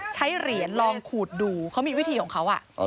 ใช้เหรียญลองขูดดูเขามีวิธีของเขา